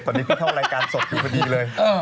ตอนนี้เพิ่งเข้ารายการสดอยู่พอดีเลย